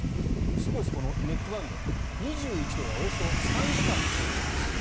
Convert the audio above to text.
すごいです、このネックバンド２１度がおよそ３時間持続します。